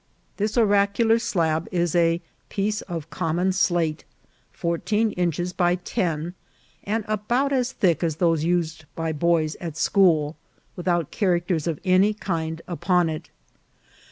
This orac ular slab is a piece of common slate, fourteen inches by ten, and about as thick as those used by boys at school, without characters of any kind upon it.